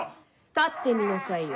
立ってみなさいよ。